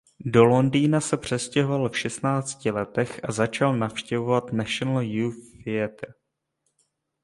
Do Londýna se přestěhoval v šestnácti letech a začal navštěvovat National Youth Theatre.